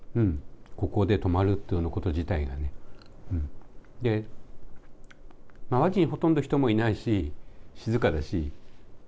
ここで泊まるっていうこと自体が、周りにほとんど人もいないし、静かだし。